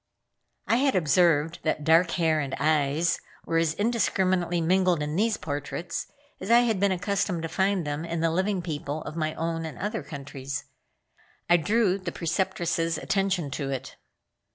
I had observed that dark hair and eyes were as indiscriminately mingled in these portraits as I had been accustomed to find them in the living people of my own and other countries. I drew the Preceptress' attention to it.